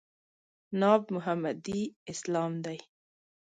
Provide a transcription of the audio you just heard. ناب محمدي اسلام دی.